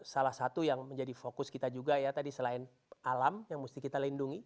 salah satu yang menjadi fokus kita juga ya tadi selain alam yang mesti kita lindungi